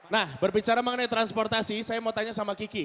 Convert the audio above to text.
nah berbicara mengenai transportasi saya mau tanya sama kiki